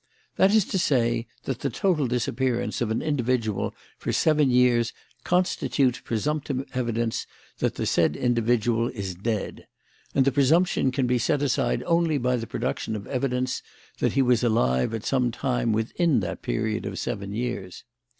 That is to say, that the total disappearance of an individual for seven years constitutes presumptive evidence that the said individual is dead; and the presumption can be set aside only by the production of evidence that he was alive at some time within that period of seven years.